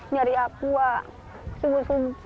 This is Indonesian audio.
nyari apua subuh subuh nyari apua